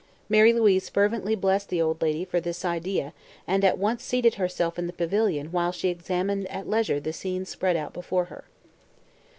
Mary Louise fervently blessed the old lady for this idea and at once seated herself in the pavilion while she examined at leisure the scene spread out before her.